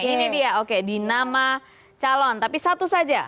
ini dia oke di nama calon tapi satu saja